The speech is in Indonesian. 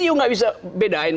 itu gak bisa dibedain